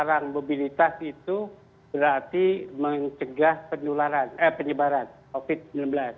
perang mobilitas itu berarti mencegah penyebaran covid sembilan belas